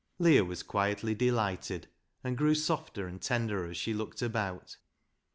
Leah was quietly delighted, and grew softer and tenderer as she looked about.